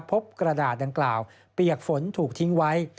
กระดาษดังกล่าวเปียกฝนถูกทิ้งไว้